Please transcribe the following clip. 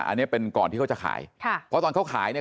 อันนี้เป็นก่อนที่เขาจะขายค่ะเพราะตอนเขาขายเนี่ย